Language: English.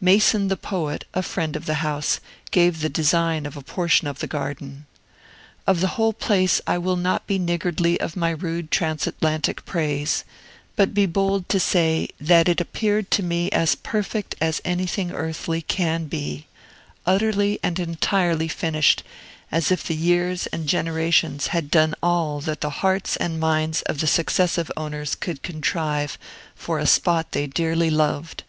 Mason the poet, a friend of the house, gave the design of a portion of the garden. Of the whole place I will not be niggardly of my rude Transatlantic praise, but be bold to say that it appeared to me as perfect as anything earthly can he, utterly and entirely finished, as if the years and generations had done all that the hearts and minds of the successive owners could contrive for a spot they dearly loved.